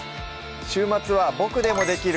週末は「ボクでもできる！